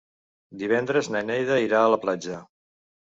Divendres na Neida irà a la platja.